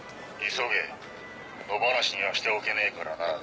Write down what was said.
急げ野放しにはしておけねえからな。